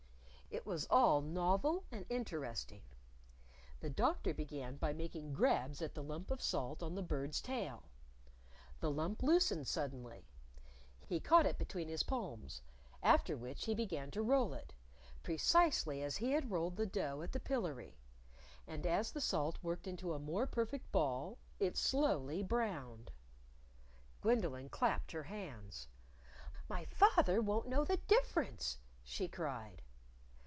It was all novel and interesting. The Doctor began by making grabs at the lump of salt on the Bird's tail. The lump loosened suddenly. He caught it between his palms, after which he began to roll it precisely as he had rolled the dough at the Pillery. And as the salt worked into a more perfect ball, it slowly browned! Gwendolyn clapped her hands. "My father won't know the difference," she cried.